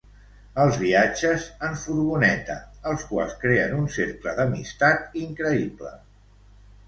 Els viatges en furgoneta, els quals creen un cercle d'amistat increïble.